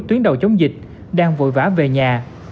tuyến đầu chống dịch đang vội vã về nhà